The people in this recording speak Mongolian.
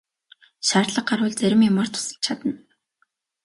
Шаардлага гарвал зарим юмаар тусалж чадна.